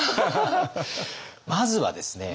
まずはですね